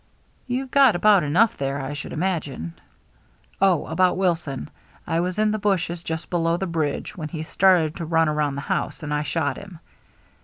" You've got about enough there, I should 390 THE MERRT JNNE imagine. Oh, about Wilson ! I was in the bushes just below the bridge, when he started to run around the house, and I shot him.